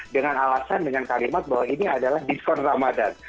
dengan alasan dengan kalimat bahwa ini adalah diskon ramadan